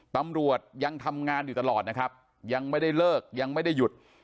ตำรวจยังทำงานอยู่ตลอดนะครับยังไม่ได้เลิกยังไม่ได้หยุด